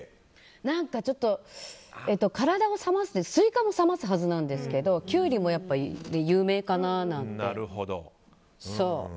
何かちょっと、体を冷ますスイカも冷ますはずなんですけどキュウリも有名かなって。